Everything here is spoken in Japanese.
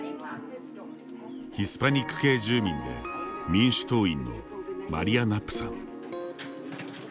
ヒスパニック系住民で民主党員のマリア・ナップさん。